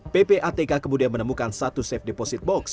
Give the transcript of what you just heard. ppatk kemudian menemukan satu safe deposit box